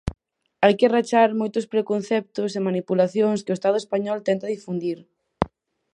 Hai que rachar moitos preconceptos e manipulacións que o Estado español tenta difundir.